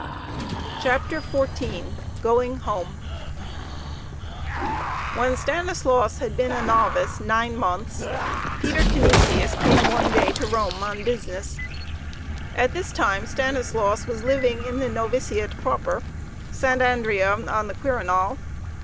CHAPTER XIV GOING HOME When Stanislaus had been a novice nine months, Peter Canisius came one day to Rome on business. At this time Stanislaus was living in the noviciate proper, Sant' Andrea on the Quirinal.